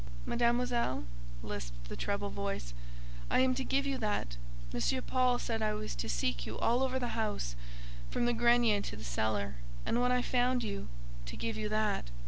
"Mademoiselle," lisped the treble voice, "I am to give you that. M. Paul said I was to seek you all over the house, from the grenier to the cellar, and when I found you, to give you that."